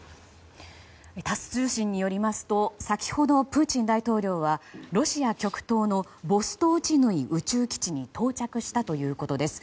タス通信によりますと先ほど、プーチン大統領はロシア極東のボストーチヌイ宇宙基地に到着したということです。